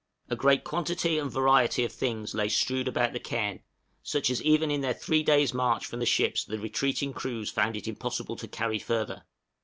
} A great quantity and variety of things lay strewed about the cairn, such as even in their three days' march from the ships the retreating crews found it impossible to carry further.